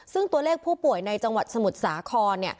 ซึ่งตัวเลขผู้ป่วยในจังหวัดสมุทรสาคร